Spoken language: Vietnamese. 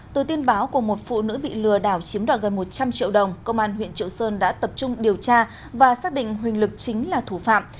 từ tin báo của một phụ nữ bị lừa đảo chiếm đoạt gần một trăm linh triệu đồng công an huyện triệu sơn đã tập trung điều tra và xác định huỳnh lực chính là thủ phạm